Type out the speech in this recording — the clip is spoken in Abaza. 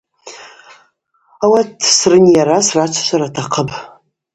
Ауат срынйара, срачважвара атахъыпӏ.